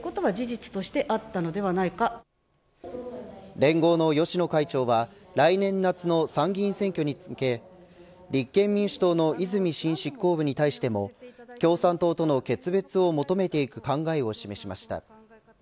連合の芳野会長は来年夏の参議院選挙に向け立憲民主党の泉新執行部に対しても共産党との決別を求めていく考えを示しました。